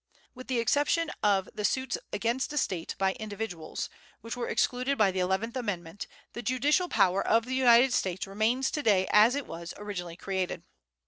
With the exceptions of suits against a State by individuals, which were excluded by the Eleventh Amendment, the judicial power of the United States remains to day as it was originally created.